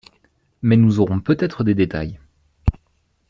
Mais nous aurons peut-être des détails.